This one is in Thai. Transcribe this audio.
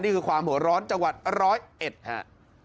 นี่คือความหัวร้อนจังหวัดร้อยเอ็ดครับ